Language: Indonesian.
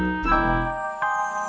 saat ini kurang banyak kemungkinan